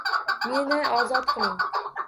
Meni ozod qiling.